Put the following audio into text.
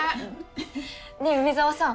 ねえ梅沢さん